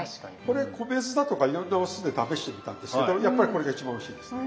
これ米酢だとかいろんなお酢で試してみたんですけどやっぱりこれが一番おいしいですね。